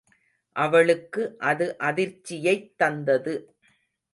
அவளுக்கு அது அதிர்ச்சியைத்தந்தது.